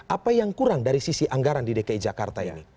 apa yang kurang dari sisi anggaran di dki jakarta ini